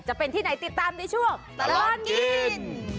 จะเป็นที่ไหนติดตามในช่วงตลอดกิน